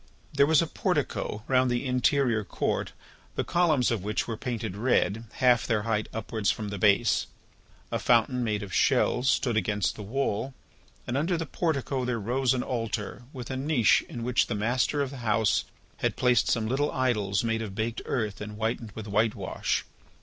There was a portico round the interior court the columns of which were painted red, half their height upwards from the base. A fountain made of shells stood against the wall and under the portico there rose an altar with a niche in which the master of the house had placed some little idols made of baked earth and whitened with whitewash.